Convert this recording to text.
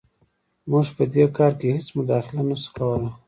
موږ په دې کار کې هېڅ مداخله نه شو کولی.